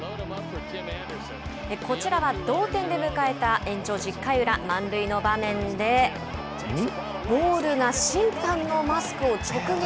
こちらは同点で迎えた延長１０回裏、満塁の場面で、ボールが審判のマスクを直撃。